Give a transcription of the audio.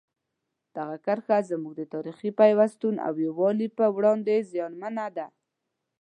دغه کرښه زموږ د تاریخي پیوستون او یووالي په وړاندې زیانمنه ده.